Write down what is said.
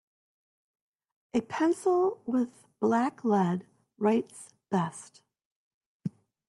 A pencil with black lead writes best.